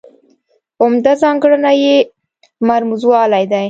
عمده ځانګړنه یې مرموزوالی دی.